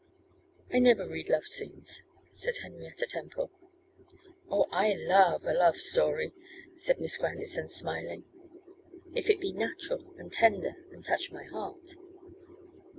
'I never read love scenes,' said Henrietta Temple. 'Oh, I love a love story,' said Miss Grandison, smiling, 'if it be natural and tender, and touch my heart.